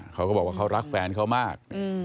เขาก็บอกว่าเขารักแฟนเขามาก